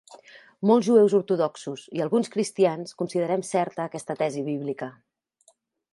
Molts jueus ortodoxos i alguns cristians considerem certa aquesta tesi bíblica.